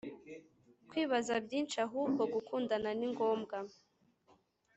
kwibaza byinshi ahubwo gukundana ningombwa